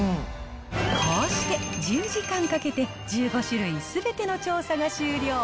こうして、１０時間かけて１５種類すべての調査が終了。